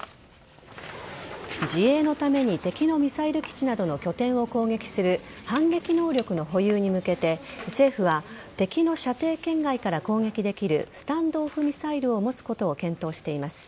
自衛のために敵のミサイル基地などの拠点を攻撃する反撃能力の保有に向けて政府は敵の射程圏外から攻撃できるスタンド・オフ・ミサイルを持つことを検討しています。